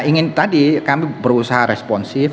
ingin tadi kami berusaha responsif